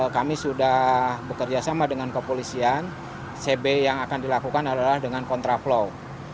kita bekerjasama dengan kepolisian cb yang akan dilakukan adalah dengan kontraflow